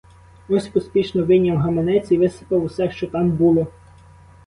Ось поспішно вийняв гаманець і висипав усе, що там було.